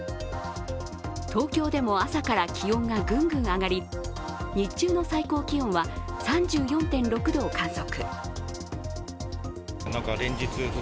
東京では朝から気温がぐんぐん上がり日中の最高気温は３４．６度を観測。